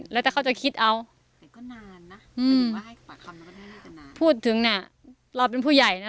แล้วแต่เขาจะคิดเอาแต่ก็นานน่ะอืมพูดถึงน่ะเราเป็นผู้ใหญ่น่ะ